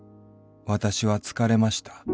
私は疲れました。